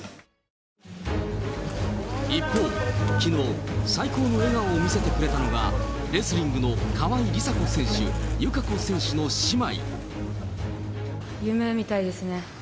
一方、きのう、最高の笑顔を見せてくれたのは、レスリングの川井梨紗子選手、夢みたいですね。